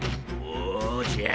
おじゃ。